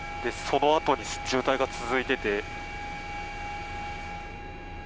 そのあとに渋滞が続いていて。